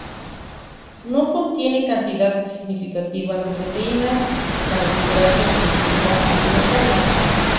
No contiene cantidades significativas de proteínas, carbohidratos ni fibra alimentaria.